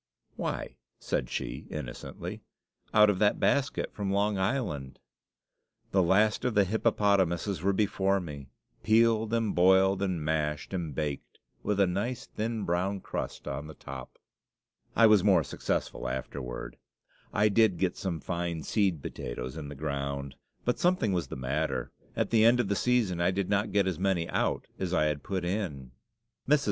"Why," said she, innocently, "out of that basket from Long Island!" The last of the hippopotamuses were before me, peeled, and boiled, and mashed, and baked, with a nice thin brown crust on the top. I was more successful afterward. I did get some fine seed potatoes in the ground. But something was the matter; at the end of the season I did not get as many out as I had put in. Mrs.